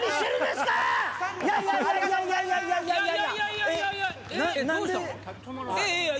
いやいやいやいや！